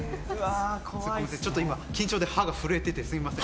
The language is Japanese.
ちょっと今緊張で歯が震えてて、すみません。